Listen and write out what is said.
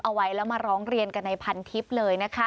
เอาไว้แล้วมาร้องเรียนกันในพันทิพย์เลยนะคะ